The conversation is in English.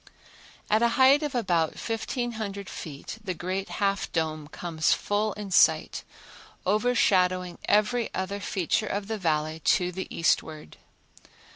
At a height of about 1500 feet the great Half Dome comes full in sight, overshadowing every other feature of the Valley to the eastward.